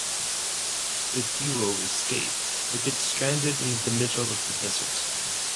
The duo escape but get stranded in the middle of the desert.